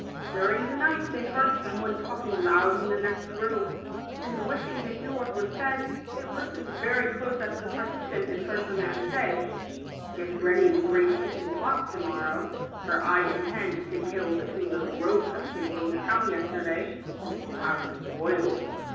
During the night they heard some one talking loud in the next room; and wishing to hear what was said, they listened very close at the partition, and heard a man say, " Get ready the great kitchen pot , to morrow ; for I intend to kill the two little rogues that came from the town yesterday, and will have them boiled."